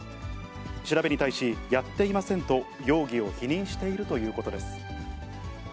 調べに対しやっていませんと容疑を否認しているということです。